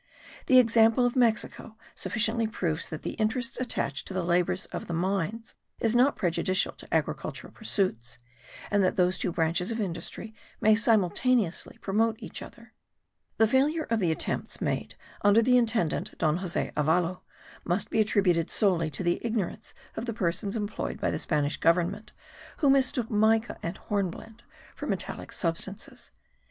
The example of Mexico sufficiently proves that the interest attached to the labours of the mines is not prejudicial to agricultural pursuits, and that those two branches of industry may simultaneously promote each other. The failure of the attempts made under the intendant, Don Jose Avalo, must be attributed solely to the ignorance of the persons employed by the Spanish government who mistook mica and hornblende for metallic substances.